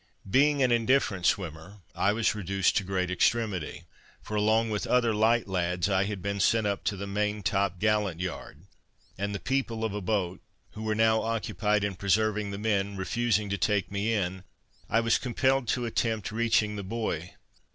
Being an indifferent swimmer, I was reduced to great extremity; for, along with other light lads, I had been sent up to the main top gallant yard; and the people of a boat, who were now occupied in preserving the men refusing to take me in, I was compelled to attempt reaching the buoy.